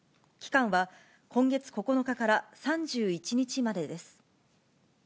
期間は今月９日から３１日までです。